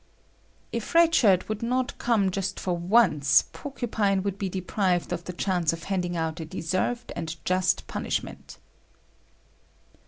If Red Shirt would not come just for once, Porcupine would be deprived of the chance of handing out a deserved and just punishment.